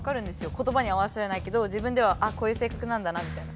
ことばにはあらわせないけど自分ではあこういう性格なんだなみたいな。